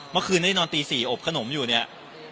เมื่อคืนนี้นอนตี๔อบขนมอยู่เนี่ย